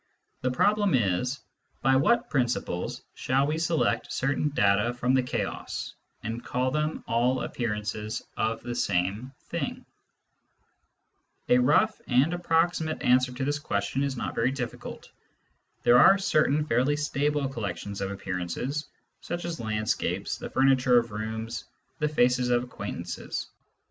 The problem is : by what principles shall we select certain data from the chaos, and call them all appearances of the same thing ? A rough and approximate answer to this question is not very diflicult. There are certain fairly stable collec tions of appearances, such as landscapes, the furniture of rooms, the faces of acquaintances.